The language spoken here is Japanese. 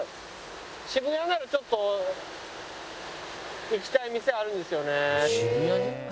渋谷ならちょっと行きたい店あるんですよね。